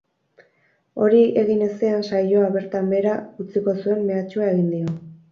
Hori egin ezean saioa bertan behera utziko zuen mehatxua egin dio.